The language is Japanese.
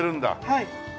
はい。